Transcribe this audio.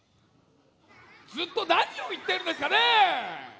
ずっとなにをいってるんですかね？